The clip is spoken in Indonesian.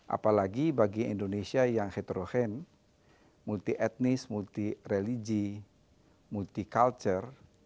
apalagi bagi indonesia yang heterogen multi etnis multi religi multi culture